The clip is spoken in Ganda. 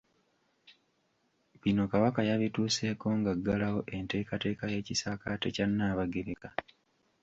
Bino Kabaka yabituuseeko ng’aggalawo enteekateeka y’ekisakaate kya Nnaabagereka.